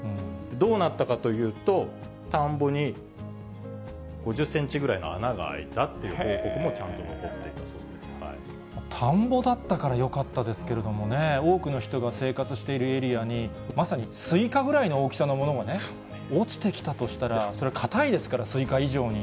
どうなったかというと、田んぼに５０センチぐらいの穴が開いたっていう報告もちゃんと残田んぼだったからよかったですけれどもね、多くの人が生活しているエリアに、まさにすいかぐらいの大きさのものが落ちてきたとしたら、それ、硬いですから、すいか以上に。